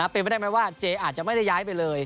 เป็นไปได้ไหมว่าเจอาจจะไม่ได้ย้ายไปเลย